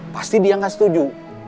pasti dia gak setuju